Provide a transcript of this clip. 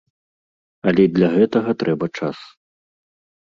Але для гэтага трэба час.